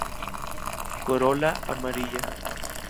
Corola amarilla.